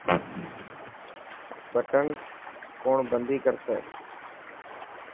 بٽن ڪوڻ بندي ڪرسي.